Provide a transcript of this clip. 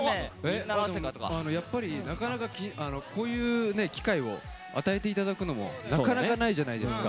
やっぱりなかなかこういうね機会を与えていただくのもなかなかないじゃないですか。